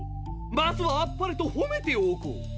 まずはあっぱれとほめておこう。